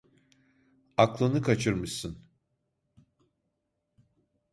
Aklını kaçırmışsın!